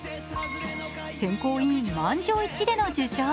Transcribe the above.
選考委員、満場一致での受賞。